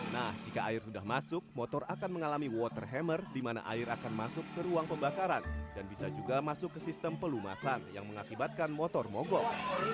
nah jika air sudah masuk motor akan mengalami water hammer di mana air akan masuk ke ruang pembakaran dan bisa juga masuk ke sistem pelumasan yang mengakibatkan motor mogok